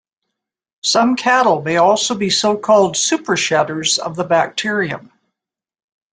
Some cattle may also be so-called "super-shedders" of the bacterium.